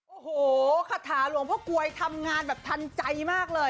โอ้โหคาถาหลวงพ่อกลวยทำงานแบบทันใจมากเลย